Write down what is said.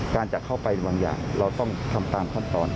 การจะเข้าไปบางอย่างเราต้องทำตามขั้นตอน